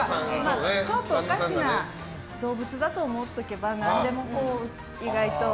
ちょっとおかしな動物だと思っておけば何でも意外と。